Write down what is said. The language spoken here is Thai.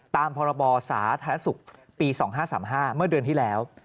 ตามพศธนสุขปี๒๕๓๕เมื่อเดือนที่แล้ว